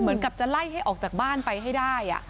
เหมือนกับจะไล่ให้ออกจากบ้านไปให้ได้